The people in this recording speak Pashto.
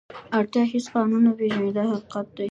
اړتیا هېڅ قانون نه پېژني دا حقیقت دی.